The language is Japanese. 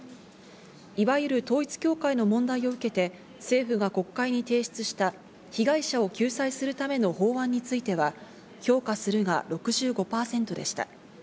いわゆる統一教会の問題を受けて、政府が国会に提出した被害者を救済するための法案については、評価するが６５％でした。